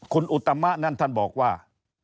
คุณอุตมะนั่นท่านบอกว่า